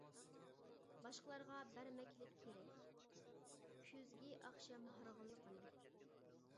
باشقىلارغا بەرمەكلىك كېرەك، كۈزگى ئاخشام ھارغىنلىقىنى.